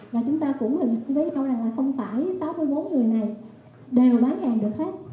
và chúng ta cũng thấy không phải sáu mươi bốn người này đều bán hàng được hết